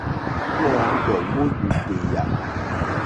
Wɔ́ɔ̌ŋɡɔ́ wó lùtèyà.